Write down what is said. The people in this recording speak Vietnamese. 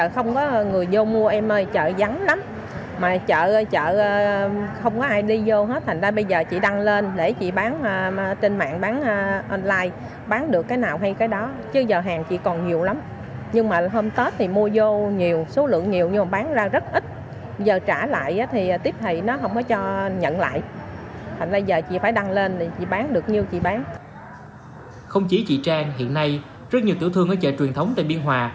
không chỉ chị trang hiện nay rất nhiều tiểu thương ở chợ truyền thống tại biên hòa